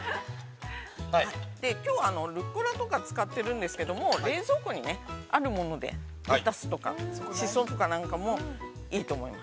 ◆きょうはルッコラとか使っているんですけど、冷蔵庫に、あるもので、レタスとかシソとかなんかもいいと思います。